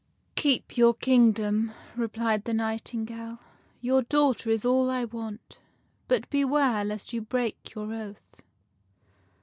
" Keep your kingdom," replied the nightingale. " Your daughter is all I want. But beware lest you break your oath."